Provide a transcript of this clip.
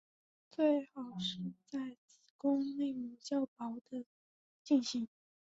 最好是在子宫内膜较薄时进行。